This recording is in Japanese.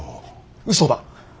うそだ。